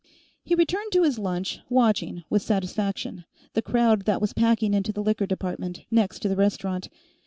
He returned to his lunch, watching, with satisfaction, the crowd that was packing into the Liquor Department, next to the restaurant.